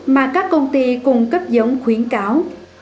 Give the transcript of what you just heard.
mà các công ty cung cấp giống khuyến cáo